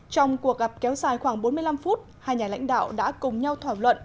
trong cuộc gặp kéo dài khoảng bốn mươi năm phút hai nhà lãnh đạo đã cùng nhau thỏa luận